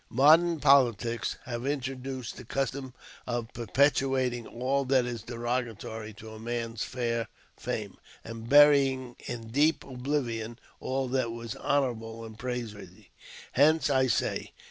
Modern politics have introduced the custom of perpetuating all that is derogatory to a man's fair fame, and burying in deep oblivion all that was honourable and praiseworthy. Hence I say.